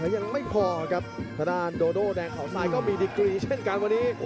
ยังไม่พอครับทางด้านโดโดแดงเขาทรายก็มีดีกรีเช่นกันวันนี้